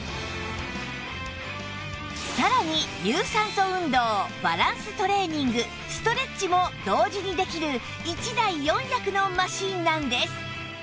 さらに有酸素運動バランストレーニングストレッチも同時にできる１台４役のマシンなんです